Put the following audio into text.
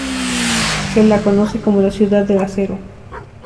Se la conoce como la "Ciudad del acero".